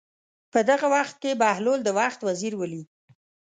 په دغه وخت کې بهلول د وخت وزیر ولید.